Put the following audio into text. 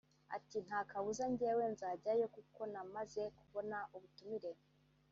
Ati “Nta kabuza njyewe nzajyayo kuko namaze kubona ubutumire